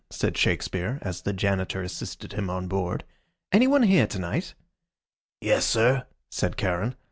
said Shakespeare, as the Janitor assisted him on board. "Any one here to night?" "Yes, sir," said Charon.